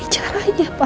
ini caranya pa